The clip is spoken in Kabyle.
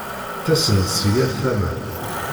Ttasen-d si yal tama.